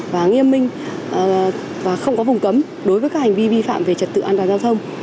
và nghiêm minh và không có vùng cấm đối với các hành vi vi phạm về trật tự an toàn giao thông